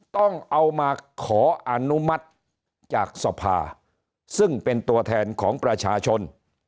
ต้องเอามาขออนุมัติจากสภาซึ่งเป็นตัวแทนของประชาชน